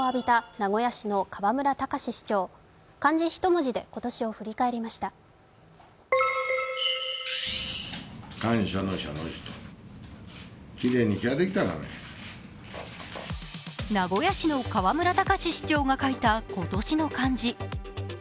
名古屋市の河村たかし市長が書いた今年の漢字。